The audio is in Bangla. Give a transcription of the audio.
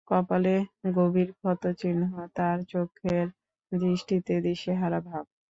কপালে গভীর ক্ষতচিহ্ন, তাঁর চোখের দৃষ্টিতে দিশেহারা ভাব।